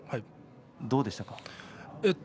どうでしたか？